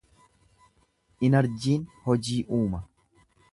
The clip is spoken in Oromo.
Inarjiin hojii uuma.